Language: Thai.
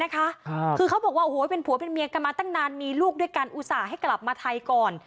คือเขาบอกว่าโอ้โหเป็นผัวเป็นเมียกันมาตั้งนานมีลูกด้วยกันอุตส่าห์ให้กลับมาไทยก่อน